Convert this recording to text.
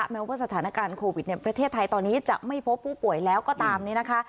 แม้ว่าสถานการณ์โควิดในประเทศไทยตอนนี้จะไม่พบผู้ป่วยแล้วก็ตามนี้นะคะ